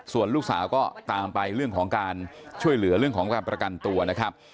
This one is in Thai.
ส่วนลูกสาวก็ตามไปเรื่องของการช่วยเหลือเรื่องของการประกันตัวนะครับ